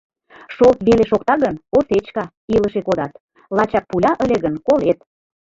Шолт веле шокта гын, осечка, илыше кодат, лачак пуля ыле гын, колет.